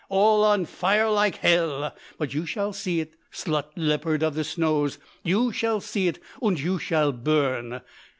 Ja!—all on fire like hell! But you shall see it, slut leopard of the snows! You shall see it und you shall burn!